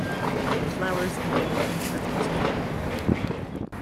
It flowers in late winter and spring.